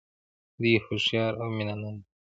دوی هوښیار او مینه ناک دي.